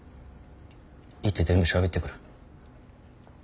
行って全部しゃべってくる。